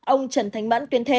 ông trần thành mẫn tuyên thệ